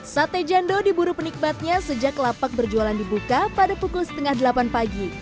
sate jando diburu penikmatnya sejak lapak berjualan dibuka pada pukul setengah delapan pagi